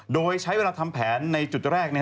โดยใช้เวลาทำแผนในจุดแรก